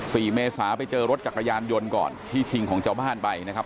เมษาไปเจอรถจักรยานยนต์ก่อนที่ชิงของชาวบ้านไปนะครับ